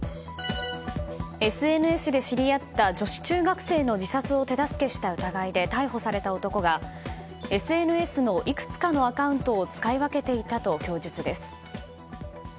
ＳＮＳで知り合った女子中学生の自殺を手助けした疑いで逮捕された男がＳＮＳのいくつかのアカウントを使い分けていたと供述です。